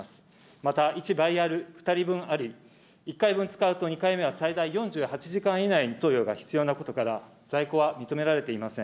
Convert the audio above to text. また１バイヤル１回分使うと、２回目は最大４８時間以内に投与が必要なことから、在庫は認められていません。